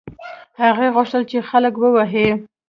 هغې غوښتل چې خلک ووهي.